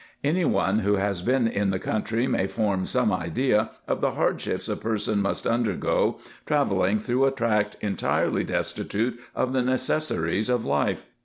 Any one who has been in the country may fonn some idea of the hardships a person must undergo, tra il 146 RESEARCHES AND OPERATIONS veiling through a tract entirely destitute of the necessaries of life.